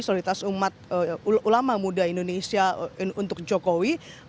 soliditas umat ulama muda indonesia untuk jokowi